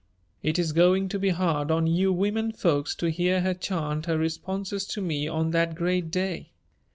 It is going to be hard on you women folks to hear her chant her responses to me on that great day."